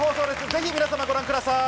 ぜひご覧ください。